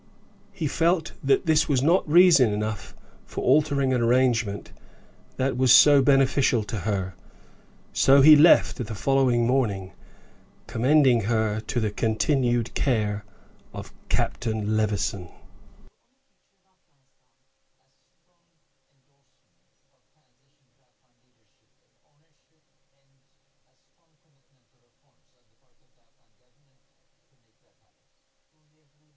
He felt that this was not reason enough for altering an arrangement that was so beneficial to her; so he left her the following morning, commending her to the continued care of Captain Levison.